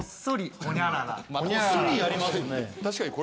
こっそりやりますね。